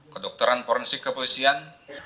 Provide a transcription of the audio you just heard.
kedokteran forensik kepolisian